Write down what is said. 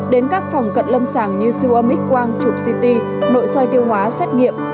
đến các phòng cận lâm sàng như siêu âm x quang chụp ct nội soi tiêu hóa xét nghiệm